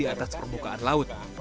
atas permukaan laut